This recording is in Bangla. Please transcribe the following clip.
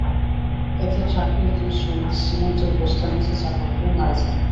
এতে ট্রাকের দুই শ্রমিক সিমেন্টের বস্তার নিচে চাপা পড়ে মারা যান।